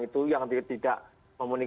itu yang tidak memenuhi